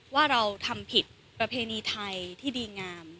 ว่าเราทำผิดประเพณีไทยที่ดีงาม